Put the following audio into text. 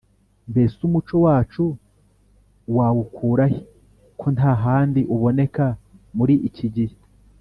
mbese umuco wacu wawukura he ko nta handi uboneka muri iki gihe !